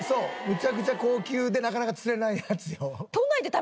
むちゃくちゃ高級でなかなか釣れないやつよ。